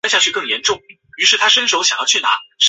本曲也被用作京急上大冈站的列车接近时的提示音乐。